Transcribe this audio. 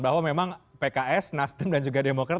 bahwa memang pks nasdem dan juga demokrat